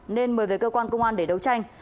nên mời về cơ quan công an để đấu tranh